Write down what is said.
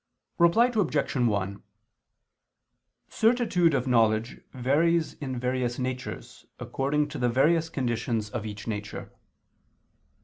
Reply Obj. 1: Certitude of knowledge varies in various natures, according to the various conditions of each nature.